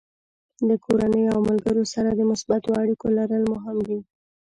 له کورنۍ او ملګرو سره د مثبتو اړیکو لرل مهم دي.